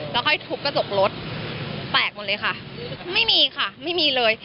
แล้วค่อยทุบกระจกรถแตกหมดเลยค่ะไม่มีค่ะไม่มีเลย